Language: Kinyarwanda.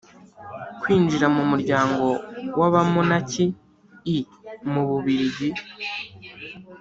kwinjira mu muryango w’abamonaki i mu bubiligi